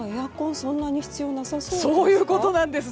そんなに必要なさそうですか。